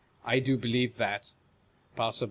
I do believe that. Passer.